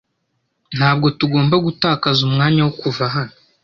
Ntabwo tugomba gutakaza umwanya wo kuva hano.